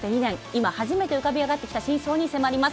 今初めて浮かび上がってきた真相に迫ります。